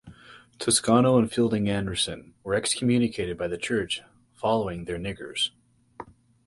Toscano and Fielding Anderson were excommunicated by the Church following their actions.